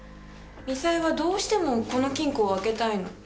ミサエはどうしてもこの金庫を開けたいの。